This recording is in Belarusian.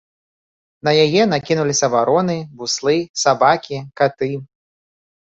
На яе накінуліся вароны, буслы, сабакі, каты.